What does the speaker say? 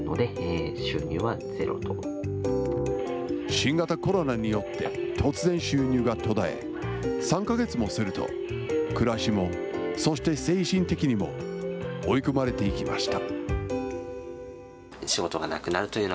新型コロナによって、突然収入が途絶え、３か月もすると、暮らしも、そして精神的にも、追い込まれていきました。